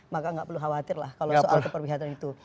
maka nggak perlu khawatir lah kalau soal keperbihakan itu